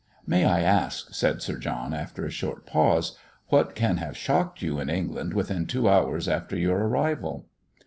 "May I ask," said Sir John, after a short pause, "what can have shocked you in England within two hours after your arrival?"